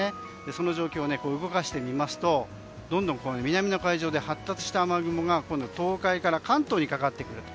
その状況を動かしてみますとどんどん南の海上で発達した雨雲が東海から関東にかかってくると。